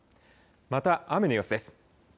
また雨の様子です。